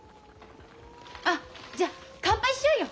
あっじゃあ乾杯しようよ。